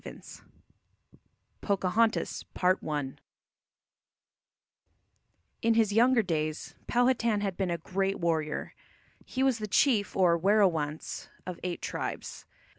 VIII POCAHONTAS In his younger days Powhatan had been a great warrior. He was the chief, or werowance, of eight tribes.